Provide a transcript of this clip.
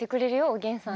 「おげんさん」